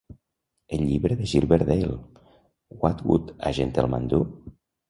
El llibre de Gilbert Dayle "What Would a Gentleman Do?"